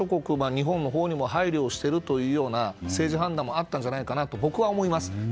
日本のほうにも配慮しているという政治判断もあったんじゃないかなと僕は思います。